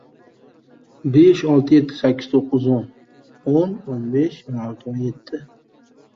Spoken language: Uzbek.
«Usta Shirin»: Aynan Siz orzu qilgan turarjoy majmuasi